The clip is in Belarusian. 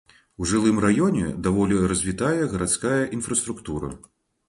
У жылым раёне даволі развітая гарадская інфраструктура.